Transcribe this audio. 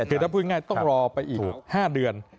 คือถ้าพูดง่ายต้องรอไปอีก๕เดือน